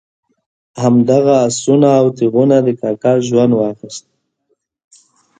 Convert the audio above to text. همدغه آسونه او تیغونه د کاکا ژوند واخیست.